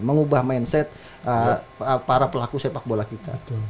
mengubah mindset para pelaku sepak bola kita